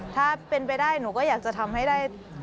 ถ้าเป็นไปได้หนูก็อยากจะทำให้ได้